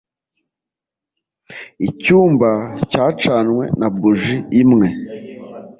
Icyumba cyacanywe na buji imwe.